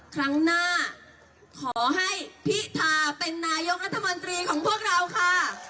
ครั้งหน้าขอให้พิธาเป็นนายกรัฐมนตรีของพวกเราค่ะ